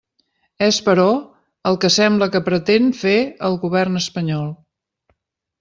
És, però, el que sembla que pretén fer el govern espanyol.